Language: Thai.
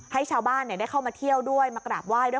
ให้ชาวบ้านเนี่ยได้เข้ามาเที่ยวด้วย